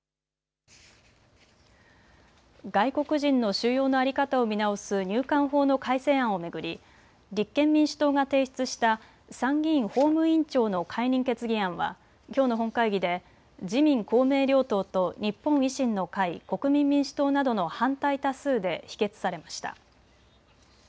外国人の収容の在り方を見直す入管法の改正案を巡り立憲民主党が提出した参議院法務委員長の解任決議案はきょうの本会議で自民公明両党と日本維新の会、国民民主党などの反対多数で否決されました。